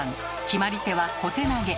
決まり手は「小手投げ」。